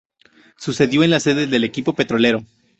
Sucedió en la sede del equipo Petrolero.